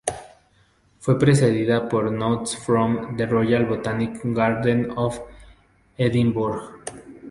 Fue precedida por "Notes from the Royal Botanic Garden of Edinburgh.